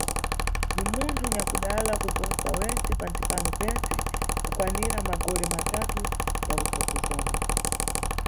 Ni munthu nyakudala kuposa wentse pantsi pano pentse kukwanira magole matatu ya kutsogozana.